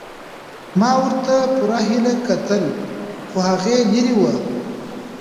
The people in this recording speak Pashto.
ما ورته په پوره هیله کتل خو هغه لیرې وه.